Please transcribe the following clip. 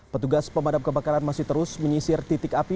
petugas pemadam kebakaran masih terus menyisir titik api